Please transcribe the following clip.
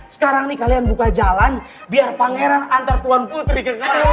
sekarang nih kalian buka jalan biar pangeran antar tuan putri ke kalian